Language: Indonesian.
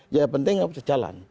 ya yang penting harus jalan